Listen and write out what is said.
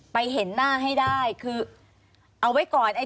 ควิทยาลัยเชียร์สวัสดีครับ